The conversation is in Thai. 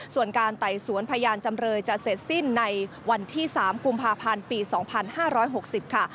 ส่วนการไต่สวนพยานจำเลยจะเสร็จสิ้นในวันที่๓กุมภาพันธ์ปี๒๕๖๐ค่ะ